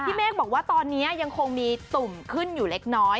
เมฆบอกว่าตอนนี้ยังคงมีตุ่มขึ้นอยู่เล็กน้อย